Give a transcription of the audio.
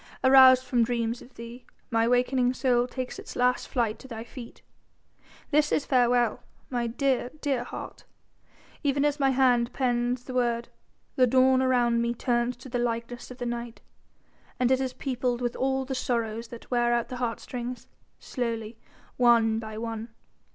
Aroused from dreams of thee, my wakening soul takes its last flight to thy feet. This is farewell, my dear, dear heart, even as my hand pens the word the dawn around me turns to the likeness of the night, and it is peopled with all the sorrows that wear out the heartstrings slowly, one by one.